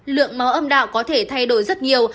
lượng máu âm đạo có thể thay đổi rất nhiều